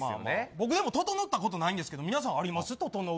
僕はととのったことないんですけど皆さん、あります。